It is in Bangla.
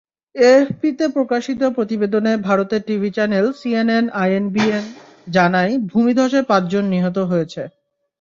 এএফপিতে প্রকাশিত প্রতিবেদনে ভারতের টিভি চ্যানেল সিএনএন-আইবিএন জানায়, ভূমিধসে পাঁচজন নিহত হয়েছে।